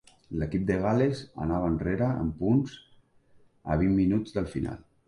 L'equip de Gal·les anava enrere en punts a vint minuts del final.